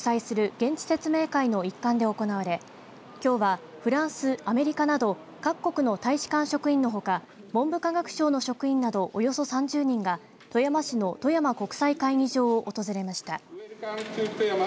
現地説明会の一環で行われきょうは、フランスアメリカなど各国の大使館職員のほか文部科学省の職員などおよそ３０人が富山市の富山国際会議場を訪れました。